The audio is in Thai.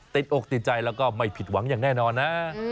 ติดอกติดใจแล้วก็ไม่ผิดหวังอย่างแน่นอนนะ